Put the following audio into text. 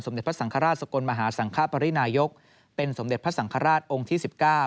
เด็จพระสังฆราชสกลมหาสังคปรินายกเป็นสมเด็จพระสังฆราชองค์ที่๑๙